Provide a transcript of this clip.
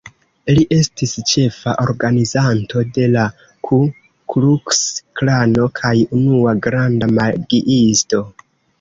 Li estis ĉefa organizanto de la Ku-Kluks-Klano kaj unua „granda magiisto”.